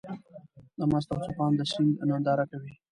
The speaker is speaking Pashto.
د مست او څپانده سيند ننداره کوې.